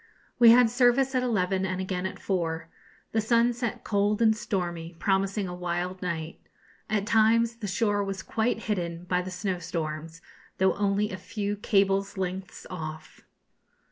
We had service at eleven and again at four. The sun set cold and stormy, promising a wild night. At times the shore was quite hidden by the snowstorms, though only a few cables' lengths off.